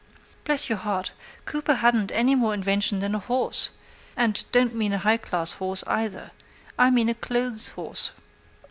Bless your heart, Cooper hadn't any more invention than a horse; and I don't mean a high class horse, either; I mean a clothes horse.